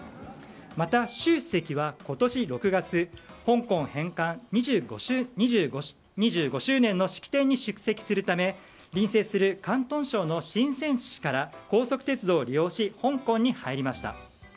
また、習主席は今年６月香港返還２５周年の式典に出席するため、隣接する広東省のシンセン市から、高速鉄道を利用して香港に入りました。